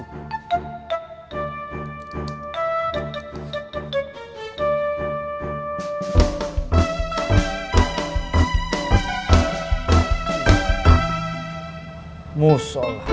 nah bagaimana si pihak hidup